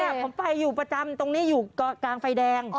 ผมไปอยู่ประจำตรงนี้อยู่กลางไฟแดง